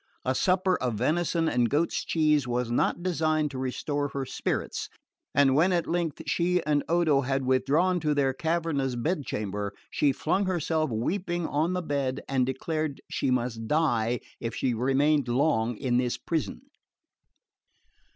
A supper of venison and goat's cheese was not designed to restore her spirits, and when at length she and Odo had withdrawn to their cavernous bedchamber, she flung herself weeping on the bed and declared she must die if she remained long in this prison.